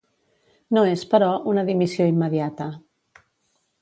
No és, però, una dimissió immediata.